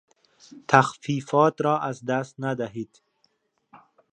تخفیفات را از دست ندهید